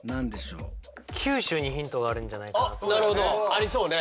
ありそうね。